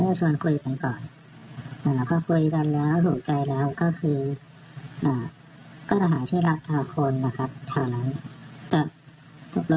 ว่าจะมีอะไรบ้างว่าจะอาวุญตรงไหนหรือว่าจะต่อกันใหม่ยังไงต่อ